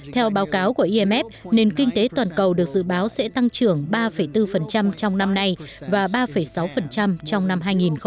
theo báo cáo của imf nền kinh tế toàn cầu được dự báo sẽ tăng trưởng ba bốn trong năm nay và ba sáu trong năm hai nghìn hai mươi